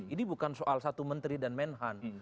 ini bukan soal satu menteri dan menhan